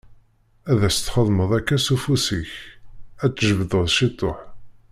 Ad as-txedmeḍ akka s ufus-ik, ad tt-tjebdeḍ ciṭuḥ.